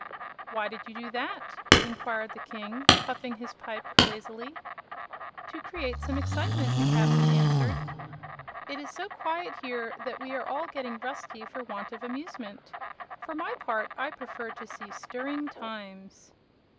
"Why did you do that?" inquired the King, puffing his pipe lazily. "To create some excitement," the Captain answered. "It is so quiet here that we are all getting rusty for want of amusement. For my part, I prefer to see stirring times."